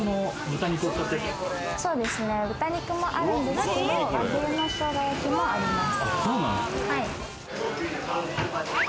豚肉もあるんですけれども、和牛のショウガ焼きもあります。